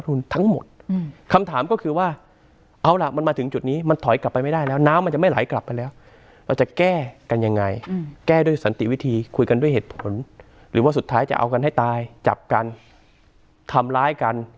สุดท้ายจะเอากันให้ตายจับกันทำร้ายกัน